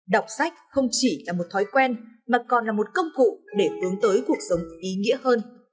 đọc sách không chỉ là một thói quen mà còn là một công cụ để hướng tới cuộc sống ý nghĩa hơn